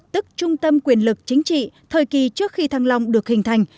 tức trung tâm quyền lực chính trị thời kỳ trước khi thăng long được hình thành